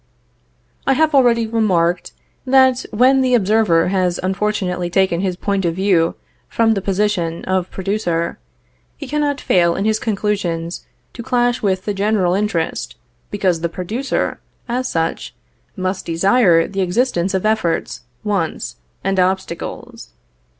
I have already remarked that when the observer has unfortunately taken his point of view from the position of producer, he cannot fail in his conclusions to clash with the general interest, because the producer, as such, must desire the existence of efforts, wants, and obstacles.